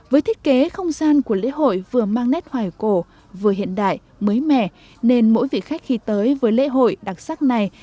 với thiết kế không gian của lễ hội vừa mang nét hoài cổ vừa hiện đại mới mẻ nên mỗi vị khách khi tới với lễ hội đặc sắc này